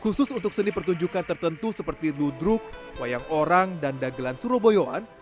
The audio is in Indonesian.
khusus untuk seni pertunjukan tertentu seperti ludruk wayang orang dan dagelan surabayaan